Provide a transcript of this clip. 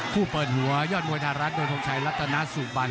ผู้เปิดหัวยอดมวยไทยรัฐโดยทรงชัยรัฐนาสุบัน